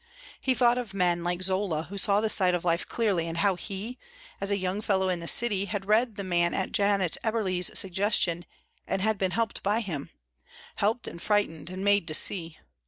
He thought of men like Zola who saw this side of life clearly and how he, as a young fellow in the city, had read the man at Janet Eberly's suggestion and had been helped by him helped and frightened and made to see.